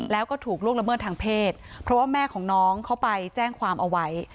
แล้วก็ถูกล่วงละเมิดทางเพศเพราะว่าแม่ของน้องเขาไปแจ้งความเอาไว้